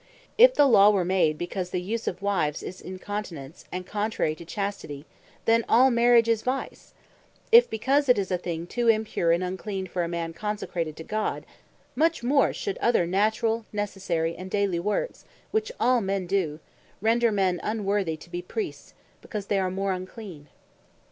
If the Law were made because the use of Wives is Incontinence, and contrary to Chastity, then all marriage is vice; If because it is a thing too impure, and unclean for a man consecrated to God; much more should other naturall, necessary, and daily works which all men doe, render men unworthy to bee Priests, because they are more unclean.